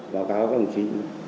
báo cáo cho đồng chí